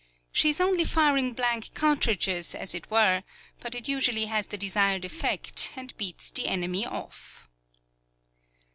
She is only firing blank cartridges, as it were; but it usually has the desired effect, and beats the enemy off.